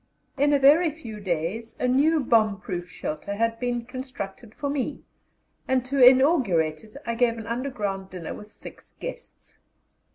In a very few days a new bomb proof shelter had been constructed for me, and to inaugurate it I gave an underground dinner with six guests.